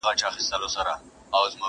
نیمه شپه روان د خپل بابا پر خوا سو؛